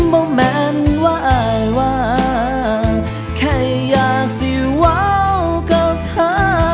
บอกแม่นว่าอายว่าแค่อยากสิว้าวกับเธอ